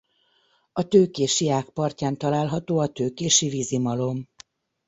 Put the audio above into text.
A Tőkési ág partján található a tőkési vízimalom.